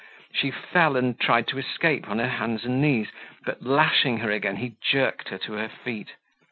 She fell and tried to escape on her hands and knees; but lashing her again he jerked her to her feet.